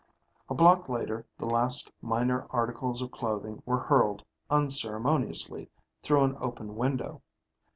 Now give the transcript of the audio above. A block later the last minor articles of clothing were hurled unceremoniously through an open window.